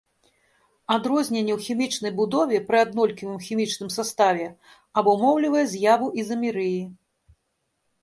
Адрозненне ў хімічнай будове пры аднолькавым хімічным саставе абумоўлівае з'яву ізамерыі.